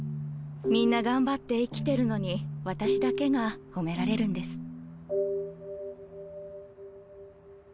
みんな頑張って生きてるのに私だけが褒められるんです。